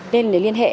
nên để liên hệ